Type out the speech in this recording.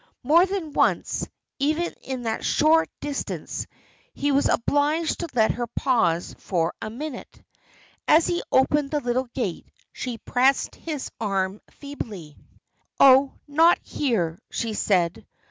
More than once, even in that short distance, he was obliged to let her pause for a minute. As he opened the little gate, she pressed his arm feebly. "Oh, not here," she said.